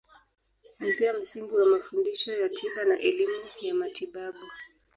Ni pia msingi wa mafundisho ya tiba na elimu ya matibabu.